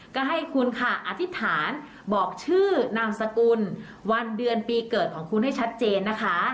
ก็ให้คุณค่ะอธิษฐานบอกชื่อนามสกุลวันเดือนปีเกิดของคุณให้ชัดเจนนะคะ